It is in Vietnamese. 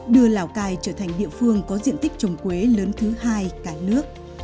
đưa lào cai trở thành địa phương có diện tích trồng quế lớn thứ hai cả nước